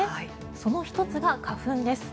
その１つが花粉です。